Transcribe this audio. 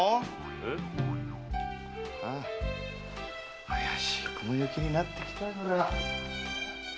えっ？ああ怪しい雲行きになってきたぞ。